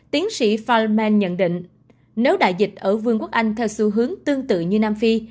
tiến sĩ fil man nhận định nếu đại dịch ở vương quốc anh theo xu hướng tương tự như nam phi